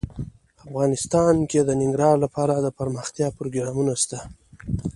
افغانستان کې د ننګرهار لپاره دپرمختیا پروګرامونه شته.